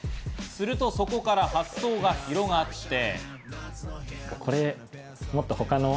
するとそこから発想が広がって。